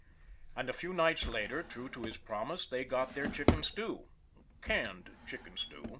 And a few nights later, true to his promise, they got their chicken stew canned chicken stew.